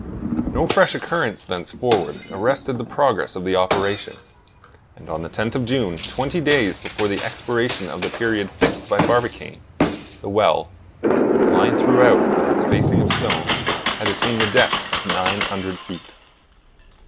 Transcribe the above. No fresh occurrence thenceforward arrested the progress of the operation; and on the tenth of June, twenty days before the expiration of the period fixed by Barbicane, the well, lined throughout with its facing of stone, had attained the depth of 900 feet.